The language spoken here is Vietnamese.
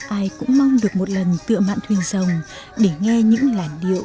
ai cũng mong được một lần tựa mạng thuyền dòng để nghe những làn điệu